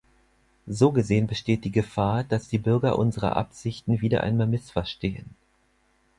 So gesehen besteht die Gefahr, dass die Bürger unsere Absichten wieder einmal missverstehen.